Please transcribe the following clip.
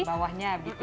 bawahnya gitu ya